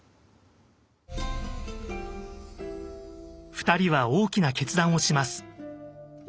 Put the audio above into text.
２人は大きな決断をします。